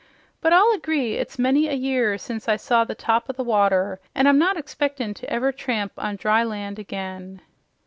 "But I'll agree it's many a year since I saw the top o' the water, an' I'm not expectin' to ever tramp on dry land again."